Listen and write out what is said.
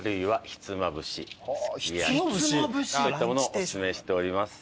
ひつまぶし？といったものをおすすめしております。